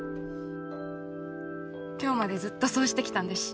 今日までずっとそうしてきたんだし。